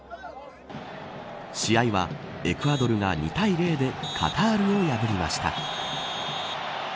試合は、エクアドルが２対０でカタールを破りました。